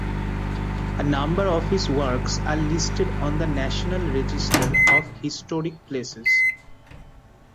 A number of his works are listed on the National Register of Historic Places.